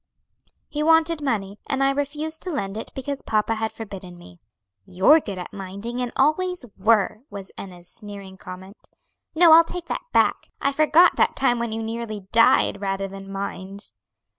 "He wanted money, and I refused to lend it because papa had forbidden me." "You're good at minding, and always were," was Enna's sneering comment. "No, I'll take that back; I forgot that time when you nearly died rather than mind."